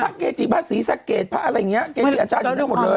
เกจิพระศรีสะเกดพระอะไรอย่างนี้เกจิอาจารย์อยู่ได้หมดเลย